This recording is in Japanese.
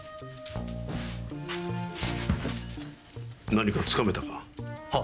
何かつかめたか？